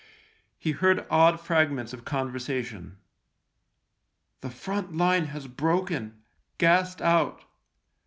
He heard odd fragments of conversation :" The front line has broken — gassed out.